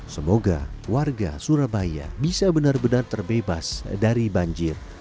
semoga warga surabaya bisa benar benar terbebas dari banjir